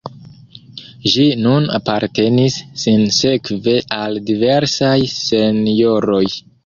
Ĝi nun apartenis sinsekve al diversaj senjoroj.